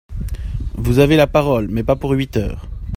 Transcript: Vous avez la parole, mais pas pour huit heures.